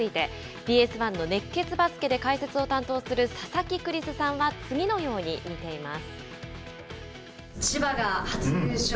ＢＳ１の「熱血バスケ」で解説を担当する佐々木クリスさんは次のように見ています。